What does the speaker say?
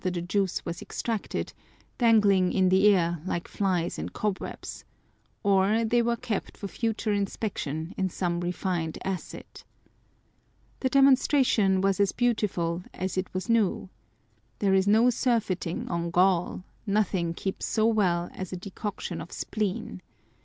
185 tlie juice was extracted, dangling in the air like flies in cobwebs : or they were kept for future inspection in some refined acid. The demonstration was as beautiful as it was new. There is no surfeiting on gall : nothing keeps so well as a decoction of spleen.